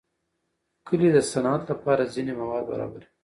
کلي د صنعت لپاره ځینې مواد برابروي.